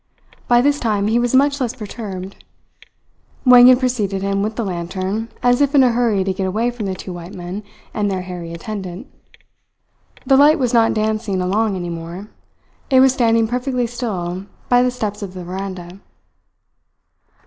By this time he was much less perturbed. Wang had preceded him with the lantern, as if in a hurry to get away from the two white men and their hairy attendant. The light was not dancing along any more; it was standing perfectly still by the steps of the veranda.